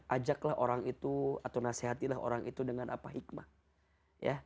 ajaklah orang itu atau nasehatilah orang itu dengan hikmah